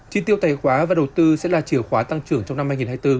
chi tiêu tài khoá và đầu tư sẽ là chìa khóa tăng trưởng trong năm hai nghìn hai mươi bốn